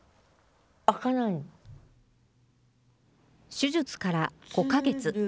手術から５か月。